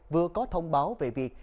vừa có thông báo về việc